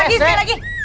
lagi sekali lagi